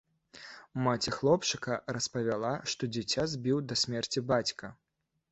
Маці хлопчыка распавяла, што дзіця збіў да смерці бацька.